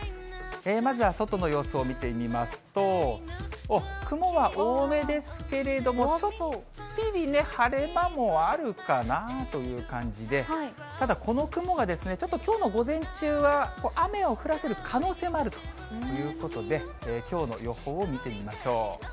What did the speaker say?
まずは外の様子を見てみますと、雲は多めですけれども、ちょっぴりね、晴れ間もあるかなという感じで、ただこの雲が、ちょっときょうの午前中は雨を降らせる可能性もあるということで、きょうの予報を見てみましょう。